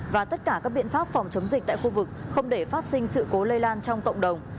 và tất cả các biện pháp phòng chống dịch tại khu vực không để phát sinh sự cố lây lan trong cộng đồng